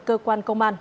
cơ quan công an